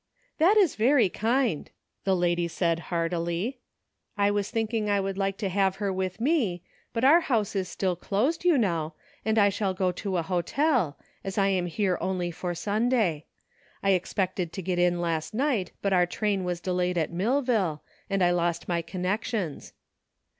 " That is very kind," the lady said heartily. " I was thinking I would like to have her with me, but our house is still closed, you know, and I shall go to a hotel, as I am here only for Sun day. I expected to get in last night, but our train was delayed at Millville, and I lost my connections.